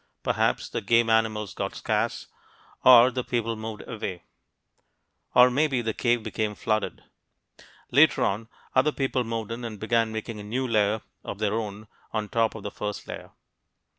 Perhaps the game animals got scarce and the people moved away; or maybe the cave became flooded. Later on, other people moved in and began making a new layer of their own on top of the first layer.